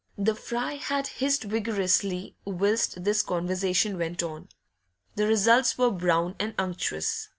The fry had hissed vigorously whilst this conversation went on; the results were brown and unctuous.